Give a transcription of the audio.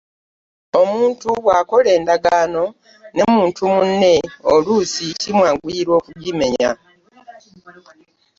Omuntu bw'akola endagaano ne muntu munne oluusi kimwanguyira okugimenya